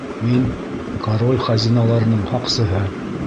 — Мин — король хазиналарының һаҡсыһы.